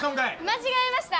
間違えました。